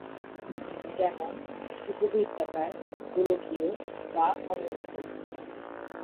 যেমন: উপবৃত্তাকার, গোলকীয়, বা অনিয়মিত।